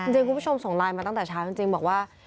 คุณผู้ชมส่งไลน์มาตั้งแต่เช้าจริงบอกว่า